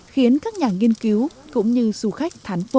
khiến các nhà nghiên cứu cũng như du khách thán phục